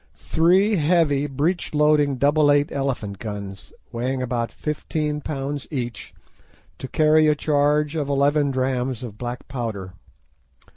"Three heavy breech loading double eight elephant guns, weighing about fifteen pounds each, to carry a charge of eleven drachms of black powder."